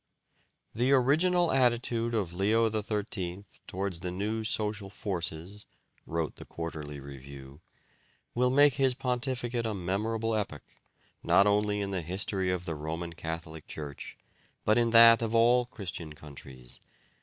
"The original attitude of Leo XIII towards the new social forces," wrote the Quarterly Review, "will make his pontificate a memorable epoch, not only in the history of the Roman Church, but in that of all Christian countries.